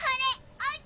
おうち！